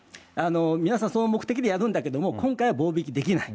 皆さん、その目的でやるんだけれども、今回は棒引きできない。